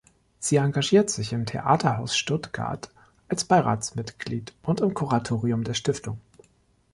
Sie engagiert sich im Theaterhaus Stuttgart als Beiratsmitglied und im Kuratorium der Stiftung.